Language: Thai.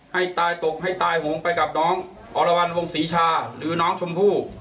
ให้ตายตกให้ตายโหงไปกับน้องอรวรรณวงศรีชาหรือน้องชมพู่